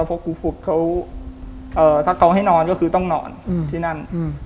เพราะครูฝึกเขาถ้าเขาให้นอนก็คือต้องนอนที่นั่น